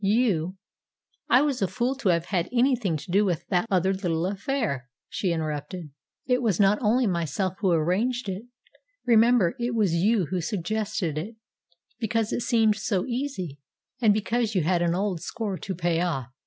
You " "I was a fool to have had anything to do with that other little affair," she interrupted. "It was not only myself who arranged it. Remember, it was you who suggested it, because it seemed so easy, and because you had an old score to pay off."